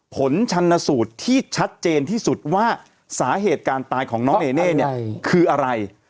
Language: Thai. ผลชนสูตรที่ชัดเจนที่สุดว่าสาเหตุการตายของน้องเนเน่เนี่ยคืออะไร